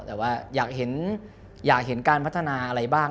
แต่ว่าอยากเห็นการพัฒนาอะไรบ้าง